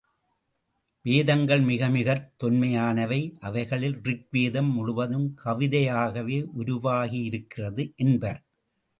வேதங்கள் மிக மிகத் தொன்மையானவை, அவைகளில் ரிக் வேதம் முழுவதும் கவிதையாகவே உருவாகியிருக்கிறது என்பர்.